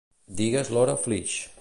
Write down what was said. Digues l'hora a Flix.